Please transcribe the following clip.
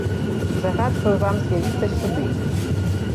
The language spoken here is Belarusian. Загадваю вам з'явіцца сюды!